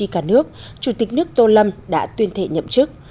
chủ tịch nước tô lâm đã tuyên thệ nhậm chức